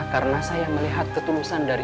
karena saya melihat ketulusan dari